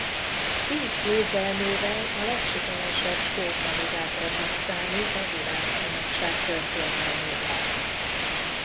Tíz győzelmével a legsikeresebb skót navigátornak számít a világbajnokság történelmében.